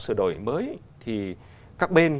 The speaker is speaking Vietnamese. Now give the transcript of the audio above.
sửa đổi mới thì các bên